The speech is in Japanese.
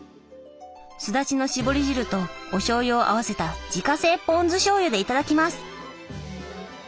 すだちの搾り汁とおしょうゆを合わせた自家製ポン酢しょうゆで頂きます。